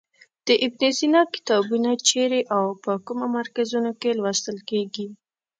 د ابن سینا کتابونه چیرې او په کومو مرکزونو کې لوستل کیږي.